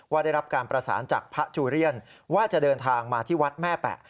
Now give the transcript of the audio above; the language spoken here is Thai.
ได้รับการประสานจากพระจูเรียนว่าจะเดินทางมาที่วัดแม่แปะ